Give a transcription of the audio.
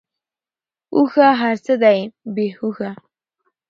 اوښه ! هرڅه دی بی هوښه .